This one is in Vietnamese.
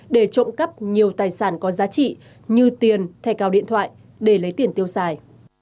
để trộm cắp nhiều tài sản có giá trị như tiền thẻ cào điện thoại để lấy tiền tiêu xài